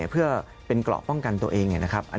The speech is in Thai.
เพื่อเป็นเกราะป้องกันตัวเองนะครับ